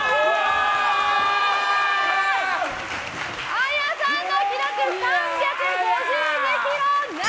ＡＹＡさんの記録３５２ｋｇ！